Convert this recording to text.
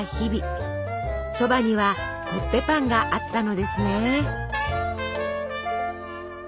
そばにはコッペパンがあったのですね。